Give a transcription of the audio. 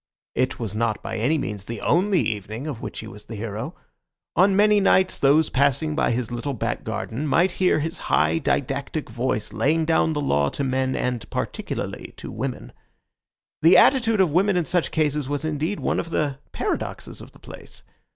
It was not by any means the only evening of which he was the hero. On many nights those passing by his little back garden might hear his high, didactic voice laying down the law to men and particularly to women. The attitude of women in such cases was indeed one of the paradoxes of the place.